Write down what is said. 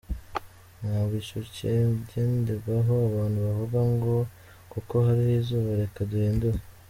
Ntabwo icyo cyagenderwaho abantu bavuga ngo kuko hariho izuba reka duhindure.